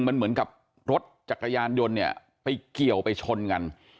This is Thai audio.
มันเหมือนกับรถจักรยานยนต์เนี่ยไปเกี่ยวไปชนกัน